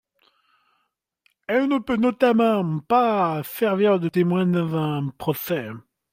Elle ne peut notamment pas servir de témoin dans un procès.